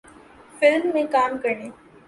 film میں کام کرنے